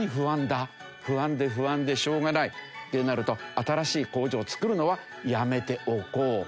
不安で不安でしょうがないってなると新しい工場を造るのはやめておこう。